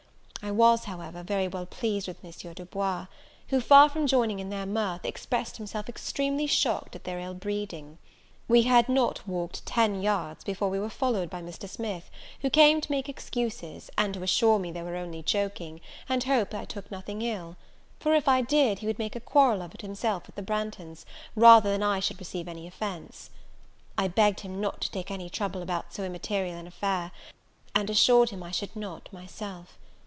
I was, however, very well pleased with M. Du Bois, who, far from joining in their mirth, expressed himself extremely shocked at their ill breeding. We had not walked ten yards before we were followed by Mr. Smith, who came to make excuses, and to assure me they were only joking, and hoped I took nothing ill; for if I did, he would make a quarrel of it himself with the Branghtons, rather than I should receive any offense. I begged him not to take any trouble about so immaterial an affair, and assured him I should not myself.